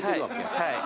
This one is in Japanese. はい。